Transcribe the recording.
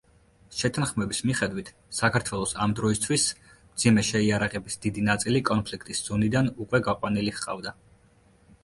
შეთანხმების მიხედვით, საქართველოს ამ დროისთვის მძიმე შეიარაღების დიდი ნაწილი კონფლიქტის ზონიდან უკვე გაყვანილი ჰყავდა.